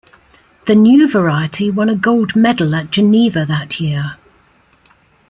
The new variety won a gold medal at Geneva that year.